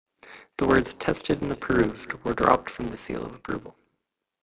The words "Tested and Approved" were dropped from the Seal of Approval.